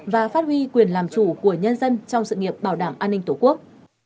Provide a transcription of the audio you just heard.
và phát huy quyền làm chủ của nhân dân trong sự nghiệp bảo đảm an ninh tổ quốc